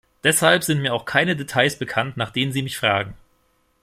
Deshalb sind mir auch keine Details bekannt, nach denen Sie mich fragen.